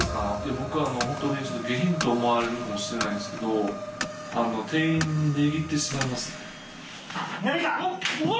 僕ホントに下品と思われるかもしれないんですけど店員に値切ってしまいますねみなみかわ！